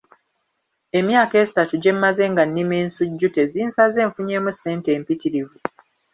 Emyaka esatu gye mmaze nga nnima ensujju tezinsaze nzifunyeemu ssente empitirivu.